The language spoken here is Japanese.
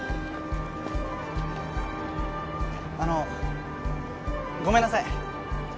あのごめんなさい